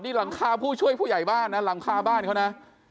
นี่หลังคาผู้ช่วยผู้ใหญ่บ้านนะหลังคาบ้านเขานะ